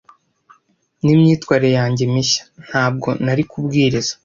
n'imyifatire yanjye mishya. Ntabwo nari kubwiriza,